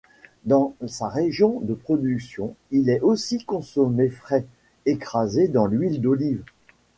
Dans sa région de production, il est aussi consommé frais, écrasé dans l'huile d'olive.